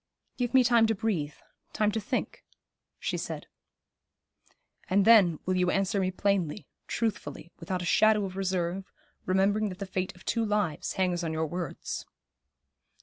'Give me time to breathe, time to think,' she said. 'And then will you answer me plainly, truthfully, without a shadow of reserve, remembering that the fate of two lives hangs on your words.'